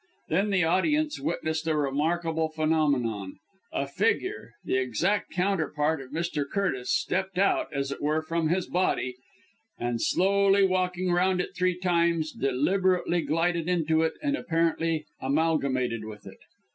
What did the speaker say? Then the audience witnessed a remarkable phenomenon a figure, the exact counterpart of Mr. Curtis, stepped out, as it were, from his body, and slowly walking round it three times, deliberately glided into it, and apparently amalgamated with it.